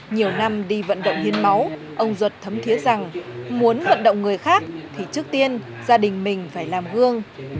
nhiều năm đi vận động hiến máu ông duật thấm thiế rằng muốn vận động người khác thì trước tiên gia đình mình phải làm gương